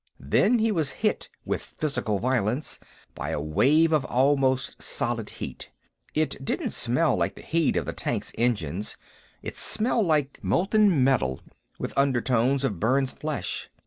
Then he was hit, with physical violence, by a wave of almost solid heat. It didn't smell like the heat of the tank's engines; it smelled like molten metal, with undertones of burned flesh.